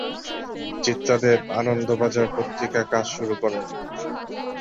চিত্রা দেব আনন্দবাজার পত্রিকা কাজ শুরু করেন।